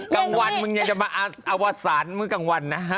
กลางวันมึงจะมาอาวสารกลางวันนะ